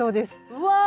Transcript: うわ。